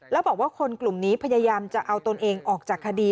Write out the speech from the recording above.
แล้วบอกว่าคนกลุ่มนี้พยายามจะเอาตนเองออกจากคดี